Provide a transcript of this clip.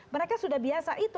mereka sudah biasa itu